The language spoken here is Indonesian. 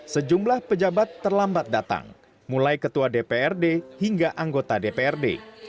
sejumlah pejabat terlambat datang mulai ketua dprd hingga anggota dprd